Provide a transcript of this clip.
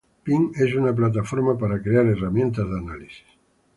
Pin es una plataforma para crear herramientas de análisis.